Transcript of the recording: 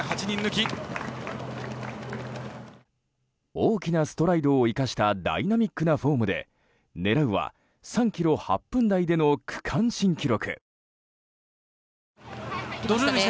大きなストライドを生かしたダイナミックなフォームで狙うは３ｋｍ８分台での区間新記録。